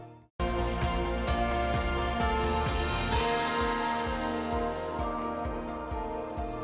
dan kita harapin sih di kedepannya ini lebih banyak support dari indonesia